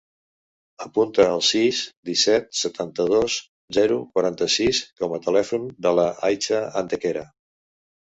Apunta el sis, disset, setanta-dos, zero, quaranta-sis com a telèfon de l'Aicha Antequera.